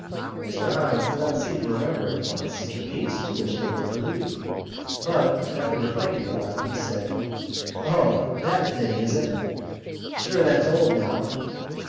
Mr Hynes did not seem to remember at once the piece to which they were alluding but, after reflecting a while, he said: "O, that thing is it.... Sure, that's old now."